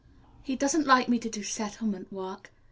He doesn't like me to do settlement work.